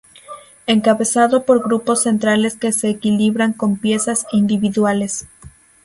Encabezado por grupos centrales que se equilibran con piezas individuales.